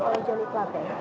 oleh joni platih